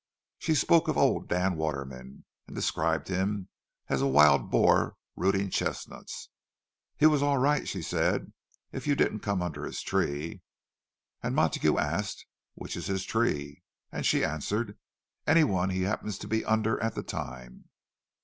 She spoke of old Dan Waterman, and described him as a wild boar rooting chestnuts. He was all right, she said, if you didn't come under his tree. And Montague asked, "Which is his tree?" and she answered, "Any one he happens to be under at the time."